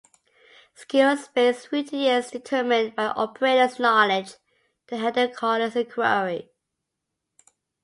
Skills-based routing is determined by an operator's knowledge to handle a caller's inquiry.